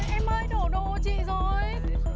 em ơi đổ đồ của chị rồi